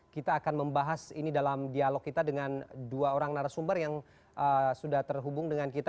kita akan membahas ini dalam dialog kita dengan dua orang narasumber yang sudah terhubung dengan kita